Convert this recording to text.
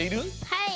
はい。